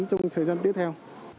thời gian tiếp theo